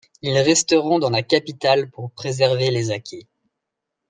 Ils resteront dans la capitale pour préserver les acquis.